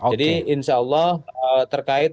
jadi insya allah terkait